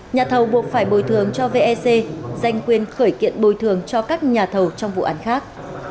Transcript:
nhà thầu buộc phải bồi thường cho vec danh quyền khởi kiện bồi thường cho các nhà thầu trong vụ án khác